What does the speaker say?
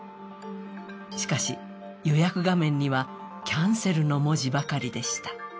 しかし、予約画面にはキャンセルの文字ばかりでした。